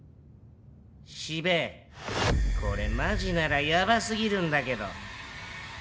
四部これマジならやばすぎるんだけど。